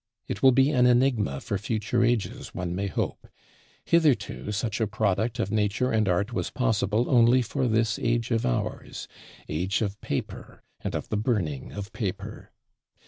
It will be an enigma for future ages, one may hope; hitherto such a product of Nature and Art was possible only for this age of ours Age of Paper, and of the Burning of Paper.